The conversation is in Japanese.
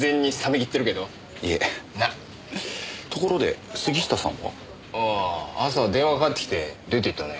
ところで杉下さんは？ああ朝電話かかってきて出ていったね。